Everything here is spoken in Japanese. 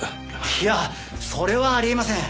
いやそれはあり得ません。